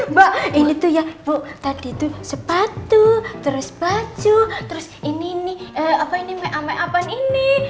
mbak ini tuh ya bu tadi tuh sepatu terus baju terus ini ini apa ini mea mea apaan ini